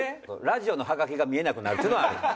ラジオのはがきが見えなくなるっていうのはある。